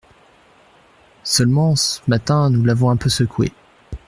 Seulement, ce matin, nous l'avons un peu secoué.